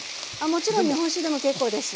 もちろん日本酒でも結構です。